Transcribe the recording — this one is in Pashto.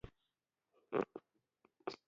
غږونه له کلتور سره تړاو لري.